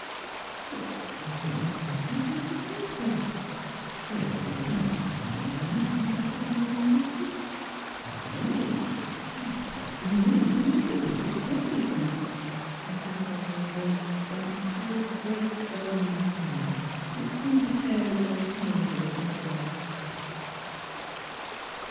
*' But you said Milly brought him a glass of water. Surely there was no harm in that," Mrs. Pettibone insisted. '' And Milly — I'd trust Milly to know what was right and " Mrs. Orne gave vent to a great groaning sigh, which seemed to tear its way painfully from her breast.